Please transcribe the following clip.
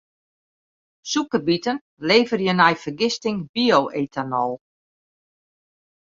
Sûkerbiten leverje nei fergisting bio-etanol.